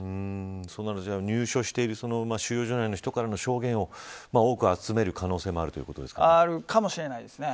そうなると、入所している収容所内の人からの証言を多く集める可能性もあるということですか。